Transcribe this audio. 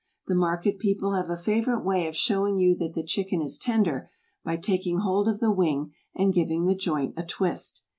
The market people have a favorite way of showing you that the chicken is tender by taking hold of the wing and giving the joint a twist.